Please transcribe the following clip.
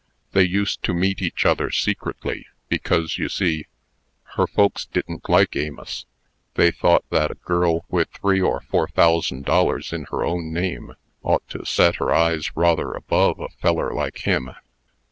They used to meet each other secretly, because, you see, her folks didn't like Amos. They thought that a girl with three or four thousand dollars in her own name, ought to set her eyes rather above a feller like him.